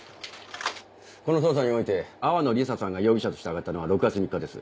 この捜査において淡野リサさんが容疑者として挙がったのは６月３日です。